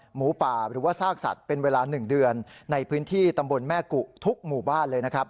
หมูป่าหรือว่าซากสัตว์เป็นเวลา๑เดือนในพื้นที่ตำบลแม่กุทุกหมู่บ้านเลยนะครับ